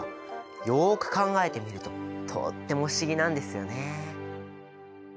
よく考えてみるととっても不思議なんですよね。